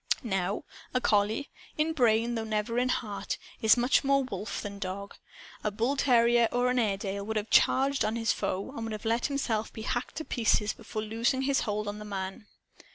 Now, a collie (in brain, though never in heart) is much more wolf than dog. A bullterrier, or an Airedale, would have charged on at his foe, and would have let himself be hacked to pieces before loosing his hold on the man.